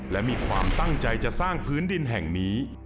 และมีความตั้งใจจะสร้างพื้นดินแห่งนี้